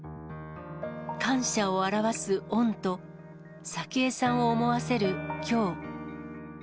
感謝を表す恩と、早紀江さんを思わせる京。